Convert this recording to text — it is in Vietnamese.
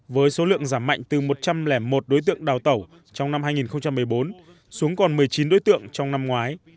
với số lượng giảm mạnh từ một trăm linh một đối tượng đào tẩu trong năm hai nghìn một mươi bốn xuống còn một mươi chín đối tượng trong năm ngoái